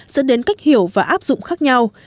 dẫn đến cách hiểu và áp dụng khác nhau